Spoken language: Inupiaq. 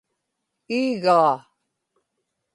iigaa